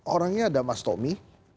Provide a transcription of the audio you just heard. orangnya ada mas tommy